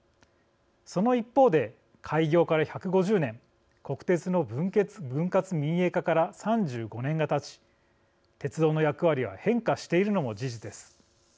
その一方で、開業から１５０年国鉄の分割民営化から３５年がたち鉄道の役割は変化しているのも事実です。